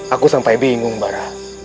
aku sampai bingung barah